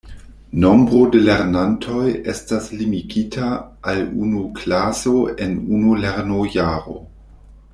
Nombro de lernantoj estas limigita al unu klaso en unu lernojaro.